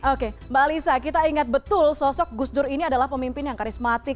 oke mbak alisa kita ingat betul sosok gus dur ini adalah pemimpin yang karismatik